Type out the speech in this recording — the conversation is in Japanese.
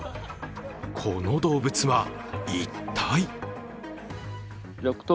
この動物は一体？